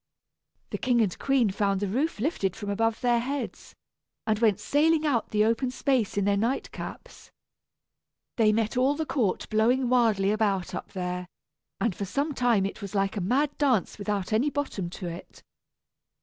The king and queen found the roof lifted from above their heads, and went sailing out the open space in their nightcaps. They met all the court blowing wildly about up there, and for some time it was like a mad dance without any bottom to it.